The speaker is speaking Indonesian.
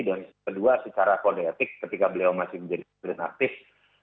dan kedua secara kodetik ketika beliau masih menjadi presiden aktif